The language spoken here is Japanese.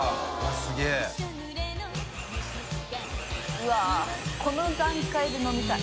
うわぁこの段階で飲みたい。